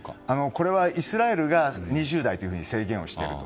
これは、イスラエルが２０台と制限していると。